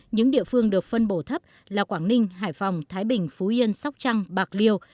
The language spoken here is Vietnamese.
những địa phương được phân bổ thấp là quảng ninh hải phòng thái bình phú yên sóc trăng bạc liêu